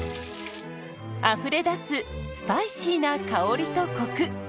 あふれ出すスパイシーな香りとコク。